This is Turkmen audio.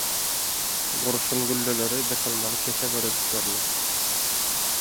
Gurşun gülleleri, dykylmaly keçe bölejiklerini